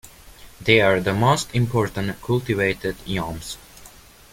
They are the most important cultivated yams.